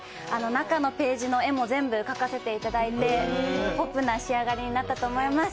中のページの絵も全部描かせていただいてポップな仕上がりになったと思います。